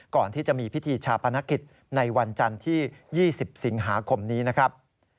ก่อนที่จะมีพิธีชาปนกิจในวันจันทร์ที่๒๐สิงหาคมนี้นะครับ